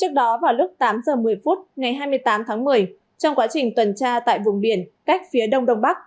trước đó vào lúc tám giờ một mươi phút ngày hai mươi tám tháng một mươi trong quá trình tuần tra tại vùng biển cách phía đông đông bắc